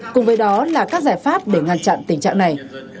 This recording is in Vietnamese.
cùng với đó là các giải pháp để ngăn chặn tình trạng này